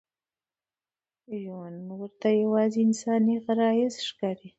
ژوند ورته یوازې انساني غرايز ښکاري.